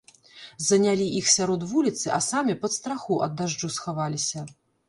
Занялі іх сярод вуліцы, а самі пад страху ад дажджу схаваліся.